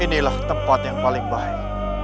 inilah tempat yang paling baik